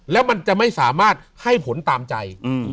แล้วมันจะไม่สามารถให้ผลตามใจ